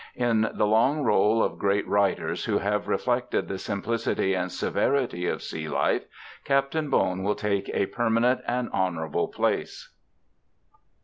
In the long roll of great writers who have reflected the simplicity and severity of sea life, Captain Bone will take a permanent and honorable place.